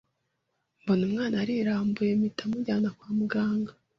mbona umwana arirambuye mpita mujyana kwa muganga,